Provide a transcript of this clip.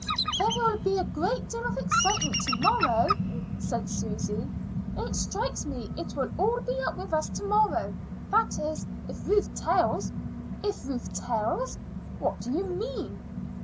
"There will be a great deal of excitement to morrow," said Susy. "It strikes me it will be all up with us to morrow that is, if Ruth tells." "If Ruth tells! What do you mean?"